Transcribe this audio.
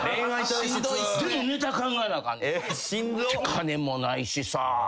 金もないしさ。